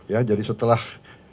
ya jadi setelah